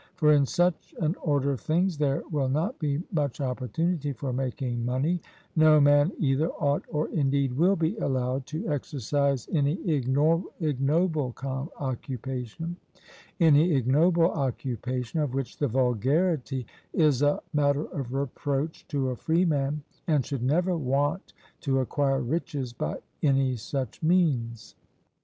For in such an order of things there will not be much opportunity for making money; no man either ought, or indeed will be allowed, to exercise any ignoble occupation, of which the vulgarity is a matter of reproach to a freeman, and should never want to acquire riches by any such means.